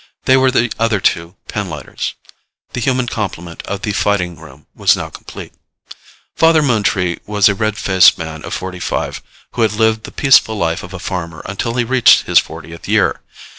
They were the other two pinlighters. The human complement of the Fighting Room was now complete. Father Moontree was a red faced man of forty five who had lived the peaceful life of a farmer until he reached his fortieth year.